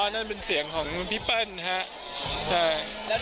นั่นเป็นเสียงของพี่เปิ้ลครับ